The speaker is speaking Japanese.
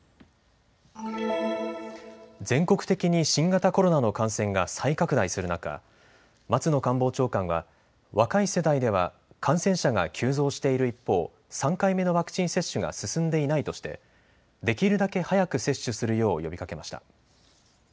全国的に新型コロナの感染が再拡大する中、松野官房長官は若い世代では感染者が急増している一方、３回目のワクチン接種が進んでいないとしてできるだけ早く接種するよう呼びかけました。